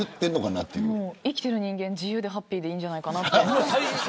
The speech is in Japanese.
生きてる人間自由でハッピーでいいんじゃないかなって。